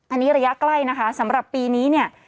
อันนี้ระยะใกล้นะคะสำหรับปีนี้เนี่ย